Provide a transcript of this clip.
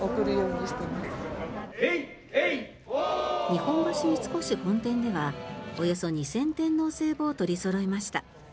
日本橋三越本店ではおよそ２０００点のお歳暮を取りそろえました。